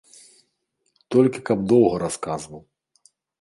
Толькі каб доўга расказваў.